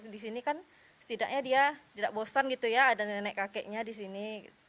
disini kan setidaknya dia tidak bosan gitu ya ada nenek kakeknya disini